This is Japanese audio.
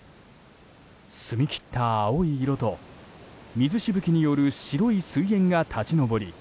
澄み切った青い色と水しぶきによる白い水煙が立ち上り